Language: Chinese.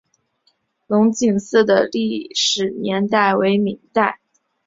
龙井寺的历史年代为明代。